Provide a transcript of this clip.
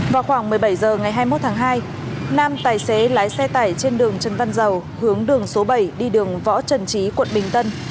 vào khoảng một mươi bảy h ngày hai mươi một tháng hai nam tài xế lái xe tải trên đường trần văn dầu hướng đường số bảy đi đường võ trần trí quận bình tân